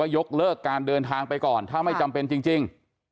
ยกเลิกการเดินทางไปก่อนถ้าไม่จำเป็นจริง